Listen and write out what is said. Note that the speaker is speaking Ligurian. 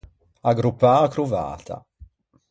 Aggroppâ a crovata.